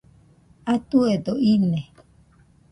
Atuedo ine